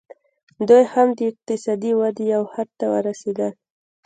دوی هم د اقتصادي ودې یو حد ته ورسېدل